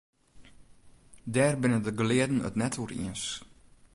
Dêr binne de gelearden it net oer iens.